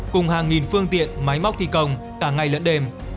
cùng hàng nghìn phương tiện máy móc thi công cả ngày lẫn đêm